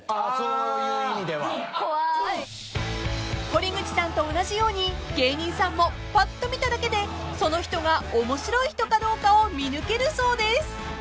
［堀口さんと同じように芸人さんもパッと見ただけでその人が面白い人かどうかを見抜けるそうです］